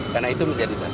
karena itu menjadi berhasil